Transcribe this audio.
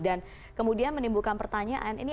dan kemudian menimbulkan pertanyaan ini